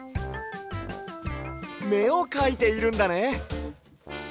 めをかいているんだね。